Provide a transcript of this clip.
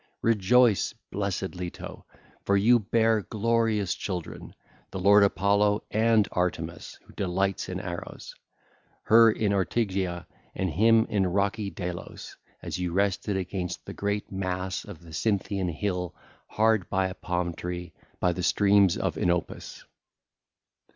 Rejoice, blessed Leto, for you bare glorious children, the lord Apollo and Artemis who delights in arrows; her in Ortygia, and him in rocky Delos, as you rested against the great mass of the Cynthian hill hard by a palm tree by the streams of Inopus.